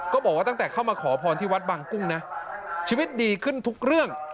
ก็บอกว่าตั้งแต่เข้ามาขอพรที่วัดบางกุ้งนะชีวิตดีขึ้นทุกเรื่อง